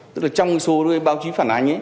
tức là trong số báo chí phản ánh ấy